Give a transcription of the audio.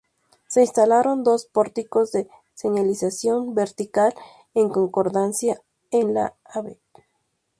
Se instalaron dos pórticos de señalización vertical en concordancia en la Av.